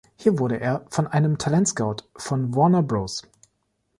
Hier wurde er von einem Talentscout von Warner Bros.